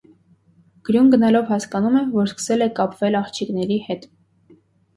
Գրյուն գնալով հասկանում է, որ սկսել է կապվել աղջիկների հետ։